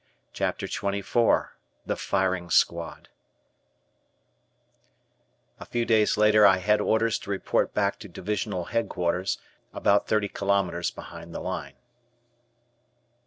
CHAPTER XXIV THE FIRING SQUAD A few days later I had orders to report back to Divisional Headquarters, about thirty kilos behind the line.